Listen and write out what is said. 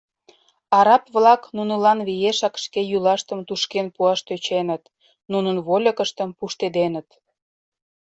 Араб-влак нунылан виешак шке йӱлаштым тушкен пуаш тӧченыт, нунын вольыкыштым пуштеденыт.